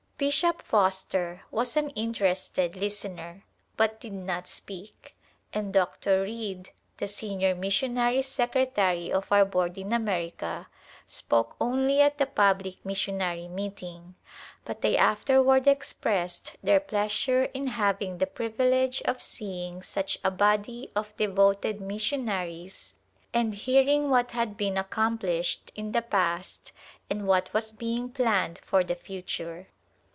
Bishop Foster was an interested Hstener, but did not speak, and Dr. Reid, the senior missionary secretary of our Board in America, spoke only at the public mis sionary meeting, but they afterward expressed their pleasure in having the privilege of seeing such a body of devoted missionaries and hearing what had been ac complished in the past and what was being planned for the future.